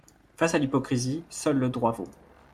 Face à l’hypocrisie, seul le droit vaut.